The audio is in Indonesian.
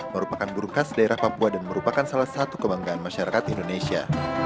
merupakan buruh khas daerah papua dan merupakan salah satu kebanggaan masyarakat indonesia